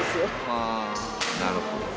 あぁなるほど。